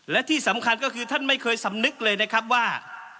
และที่สำคัญก็คือท่านไม่เคยสำนึกเลยนะครับว่า